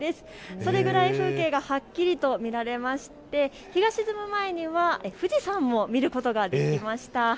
それぐらい風景がはっきりと見られまして日が沈む前には富士山も見ることができました。